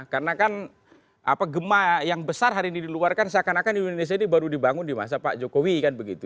karena kan gemah yang besar hari ini diluarkan seakan akan indonesia ini baru dibangun di masa pak jokowi kan begitu